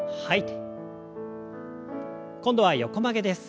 今度は横曲げです。